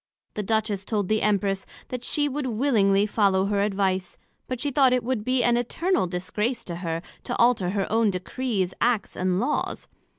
The Empress told the Duchess, that she would willingly follow her advice; but she thought it would be an eternal disgrace to her, to alter her own Decrees, Acts, and Laws.